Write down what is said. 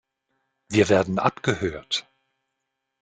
Wir werden abgehört.